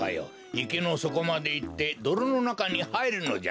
いけのそこまでいってどろのなかにはいるのじゃ。